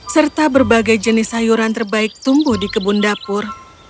serta berbagai jenis sayuran terbaik tumbuh di kebun dapur